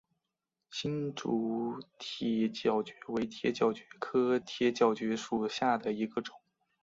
新竹铁角蕨为铁角蕨科铁角蕨属下的一个种。